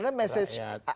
dan menurut anda